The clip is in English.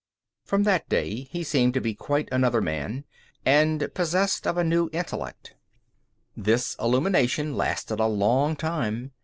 From that day he seemed to be quite another man, and possessed of a new intellect. This illumination lasted a long time.